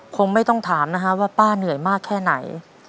คงไม่ต้องถามนะฮะว่าป้าเหนื่อยมากแค่ไหน